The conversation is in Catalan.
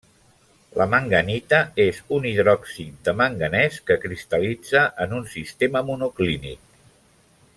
La manganita és un hidròxid de manganès, que cristal·litza en un sistema monoclínic.